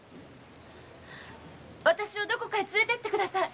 あたしをどこかへ連れてって下さい。